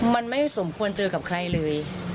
มันไม่สมควรเจอกับใครเลย